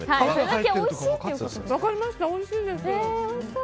おいしいです。